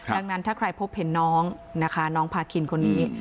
ดังนั้นถ้าใครพบเห็นน้องนะคะน้องพาคินคนนี้